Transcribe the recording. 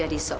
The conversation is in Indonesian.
apa itu pak